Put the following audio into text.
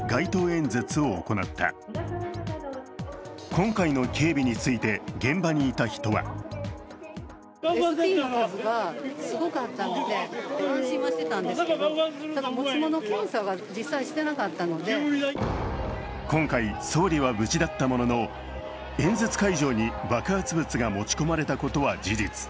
今回の警備について現場にいた人は今回総理は無事だったものの演説会場に爆発物が持ち込まれたことは事実。